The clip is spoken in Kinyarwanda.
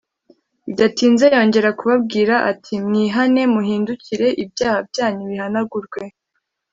bidatinze yongera kubabwira ati:” Mwihane “ muhindukire, ibyaha byanyu bihanagurwe.